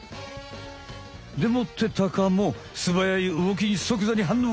でもってタカもすばやい動きにそくざに反応！